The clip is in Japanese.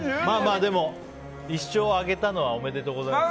でも１勝挙げたのはおめでとうございます。